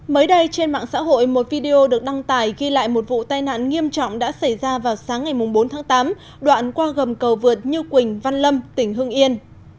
mới đây trên mạng xã hội một video được đăng tải ghi lại một vụ tai nạn nghiêm trọng đã xảy ra vào sáng ngày bốn tháng tám đoạn qua gầm cầu vượt như quỳnh văn lâm tỉnh hưng yên